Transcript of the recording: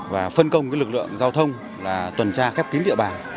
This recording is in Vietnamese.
và phân công lực lượng giao thông là tuần tra khép kín địa bàn